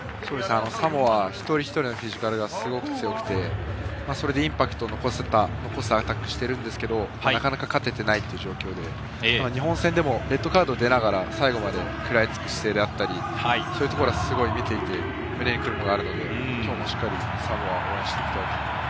サモア、１人１人のフィジカルがすごく強くてそれでインパクトを残すアタックをしているんですけれど、なかなか勝ってないという状況で、日本戦でもレッドカードでながら最後まで食らいつく姿勢であったり、そういうところはすごく見ていて、プレー結果があるので、きょうもしっかりサモアを応援していきたいと思います。